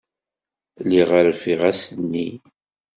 Lliɣ rfiɣ ass-nni.